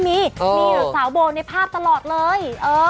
มีมีสาวโบในภาพตลอดเลย